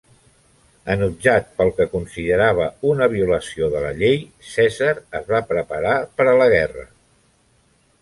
Enutjat pel que considerava una violació de la llei, Cèsar es va preparar per a la guerra.